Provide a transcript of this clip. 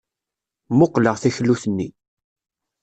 Mmuqqleɣ taklut-nni.